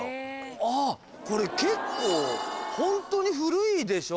あっこれ結構ホントに古いでしょ？